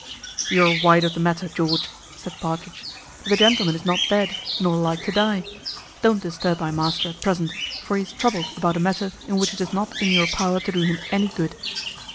"You are wide of the matter, George," said Partridge, "the gentleman is not dead, nor like to die. Don't disturb my master, at present, for he is troubled about a matter in which it is not in your power to do him any good."